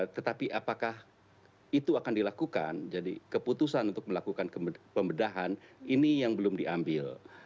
tetapi apakah itu akan dilakukan jadi keputusan untuk melakukan pembedahan ini yang belum diambil